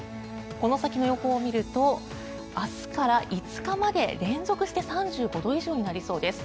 この先の予報を見ると明日から５日まで連続して３５度以上になりそうです。